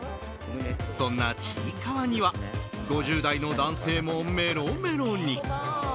そんな「ちいかわ」には５０代の男性もメロメロに。